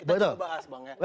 kita coba bahas bang ya